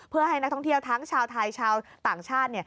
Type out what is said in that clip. เพื่อให้นักท่องเที่ยวทั้งชาวไทยชาวต่างชาติ